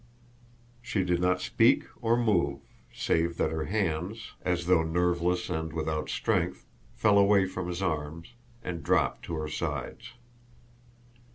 She did not speak or move save that her hands, as though nerveless and without strength, fell away from his arms, and dropped to her sides.